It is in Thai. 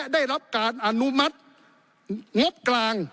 ได้รับการอนุมัติงบกลาง